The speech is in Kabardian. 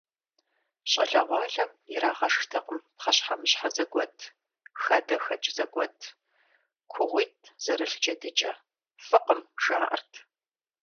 ЩӀалэгъуалэм ирагъэшхтэкъым пхъэщхьэмыщхьэ зэгуэт, хадэхэкӀ зэгуэт, кугъуитӀ зэрылъ джэдыкӀэ, фӀыкъым, жаӀэрт.